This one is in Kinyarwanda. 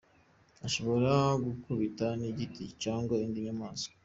Ishobora gukubita n’igiti cyangwa indi nyamaswa.